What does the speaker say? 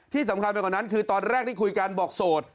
ที่สำคัญไปกว่านั้นคือตอนแรกที่คุยกันบอกโสด